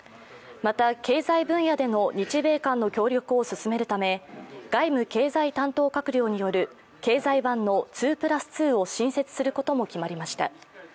また経済分野での日米間の協力を進めるため外務・経済担当閣僚による経済版の２＋２を新設することも決まりました。